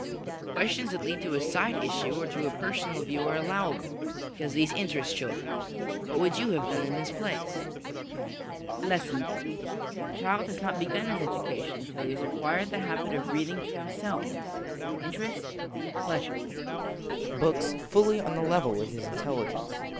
Questions that lead to a side issue LESSONS AS INSTRUMENTS OF EDUCATION 229 or to a personal view are allowable because these interest children * What would you have done in his place ?' Lesson Books. A child has not begun his edu cation until he has acquired the habit of reading to himself, with interest and pleasure, books fully on a level with his intelligence.